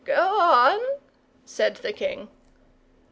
"Go on," said the king.